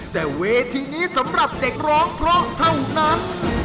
แต่เวทีนี้สำหรับเด็กร้องเพราะเท่านั้น